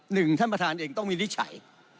หนึ่งท่านประธานเองต้องวินิจฉัย